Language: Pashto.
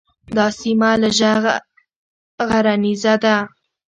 دا سیمه لږه غرنیزه ده.